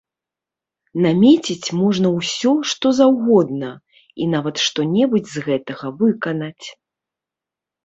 Намеціць можна ўсё, што заўгодна, і нават што-небудзь з гэтага выканаць.